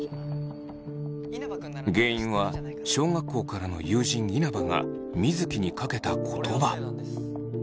原因は小学校からの友人稲葉が水城にかけた言葉。